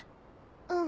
うん。